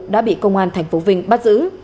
đã bị công an tp vinh bắt giữ